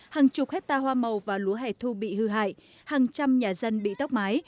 hàng chục hectare hoa màu và lúa hẻ thu bị hư hại hàng trăm nhà dân bị tốc mái